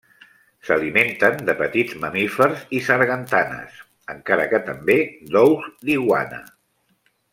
S'alimenten de petits mamífers i sargantanes, encara que també d'ous d'iguana.